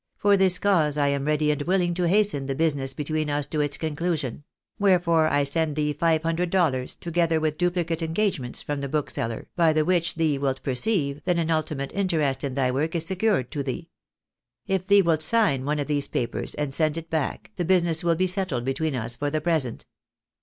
For this cause I am ready and willing to hasten the business between us to its conclusion ; wherefore I send thee five hundred dollars, together with duplicate engagements from the bookseller, by the which thee wilt perceive that an ultimate interest in thy work is secured to thee. If thee wilt sign one of these papers and send it back, the business will be settled between us for the present.